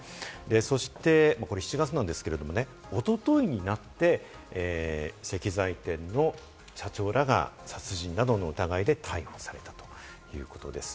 そして７月なんですけれどもね、おとといになって石材店の社長らが殺人などの疑いで逮捕されたということです。